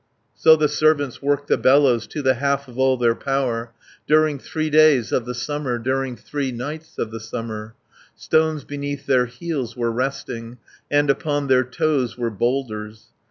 So the servants worked the bellows, To the half of all their power. During three days of the summer, During three nights of the summer. Stones beneath their heels were resting, And upon their toes were boulders.